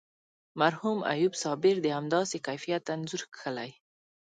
مرحوم ایوب صابر د همداسې کیفیت انځور کښلی.